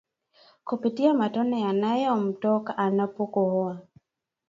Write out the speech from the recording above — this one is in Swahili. kupitia matone yanayomtoka anapokohoa